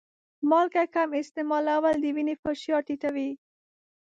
مالګه کم استعمالول د وینې فشار ټیټوي.